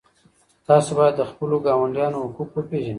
تاسو باید د خپلو ګاونډیانو حقوق وپېژنئ.